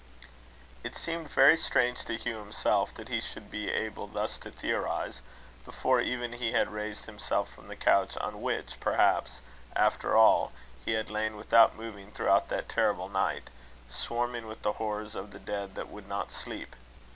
It seemed very strange to Hugh himself, that he should be able thus to theorize, before even he had raised himself from the couch on which, perhaps, after all, he had lain without moving, throughout that terrible night, swarming with the horrors of the dead that would not sleep.